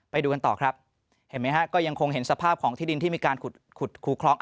ไปดูกันต่อครับเห็นไหมฮะก็ยังคงเห็นสภาพของที่ดินที่มีการขุดคูคล้อง